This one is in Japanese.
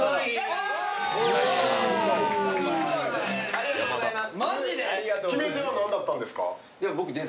ありがとうございます！